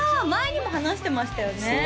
前にも話してましたよね